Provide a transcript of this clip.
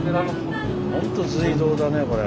ほんとずい道だねこれ。